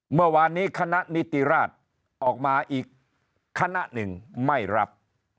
เมื่อวานนี้คณะนิติราชออกมาอีกคณะหนึ่งไม่รับ